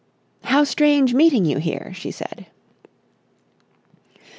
"How strange meeting you here," she said.